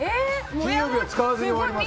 金曜日は使わずに終わります。